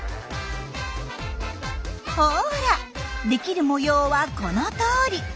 ほらできる模様はこのとおり。